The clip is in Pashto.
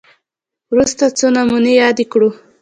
وروسته څو نمونې یادې کړو